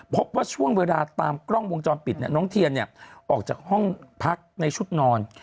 พบว่าช่วงเวลาตามกล้องวงจรปิดเนี่ยน้องเทียนเนี่ยออกจากห้องพักในชุดนอน